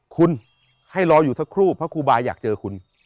คุณให้รออยู่สักครู่พระครูบาอยากเจอคุณ